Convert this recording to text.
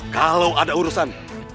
kalau ada urusan